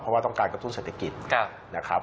เพราะว่าต้องการกระตุ้นเศรษฐกิจนะครับ